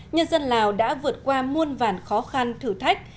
nhân dân lào đã vượt qua muôn vàn khó khăn thử thách